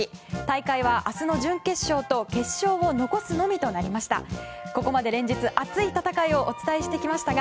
大会は明日の準決勝と決勝を残すのみとなりました。